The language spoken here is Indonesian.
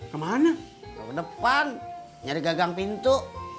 ke depan nyari gagang pintu